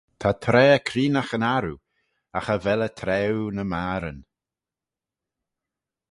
Ta traa creenagh yn arroo, agh cha vel eh traaue ny magheryn.